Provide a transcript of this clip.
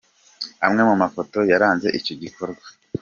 Amwe mu mafoto yaranze icyo gikorwa :.